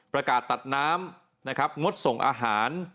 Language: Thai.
ประกาศตัดน้ำนะครับงดส่งอาหาร